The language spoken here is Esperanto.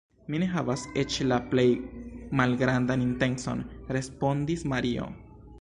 Mi ne havas eĉ la plej malgrandan intencon, respondis Mario.